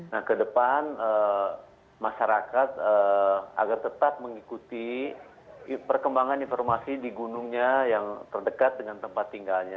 nah ke depan masyarakat agar tetap mengikuti perkembangan informasi di gunungnya yang terdekat dengan tempat tinggalnya